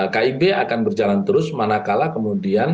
kib akan berjalan terus manakala kemudian